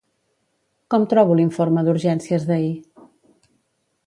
Com trobo l'informe d'urgències d'ahir?